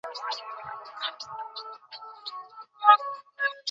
তিনি বেশিরভাগ পশুপাখিকেই তাদের ডাক শুনে চিনতে পারার ব্যাপারটা শিখে গিয়েছিলেন।